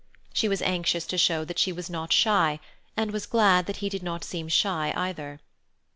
She was anxious to show that she was not shy, and was glad that he did not seem shy either.